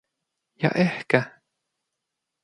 Ja ehkä...